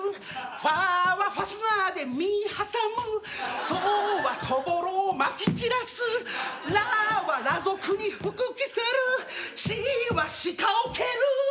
「ファはファスナーで身挟む」「ソはそぼろをまき散らす」「ラは裸族に服着せる」「シは鹿を蹴る」